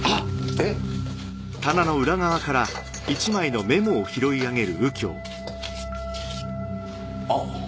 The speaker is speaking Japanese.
えっ？あっ。